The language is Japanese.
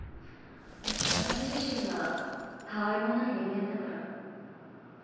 私自身が他愛もない人間だから。